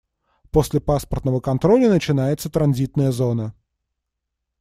После паспортного контроля начинается транзитная зона.